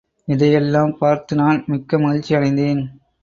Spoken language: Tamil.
இதை எல்லாம் பார்த்துநான் மிக்க மகிழ்ச்சி அடைந்தேன்.